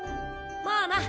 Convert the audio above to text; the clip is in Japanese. ・まあな。